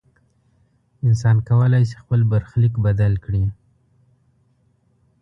انسان کولی شي خپل برخلیک بدل کړي.